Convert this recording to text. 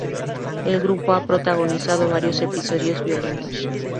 El grupo ha protagonizado varios episodios violentos.